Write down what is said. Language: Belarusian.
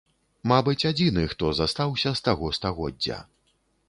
Мабыць, адзіны, хто застаўся з таго стагоддзя.